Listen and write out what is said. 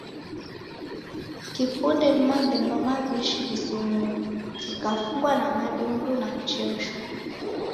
Kipunde ni mabemba maw'ishi ghizumulo, ghikafungwa na madundu na kuchemshwa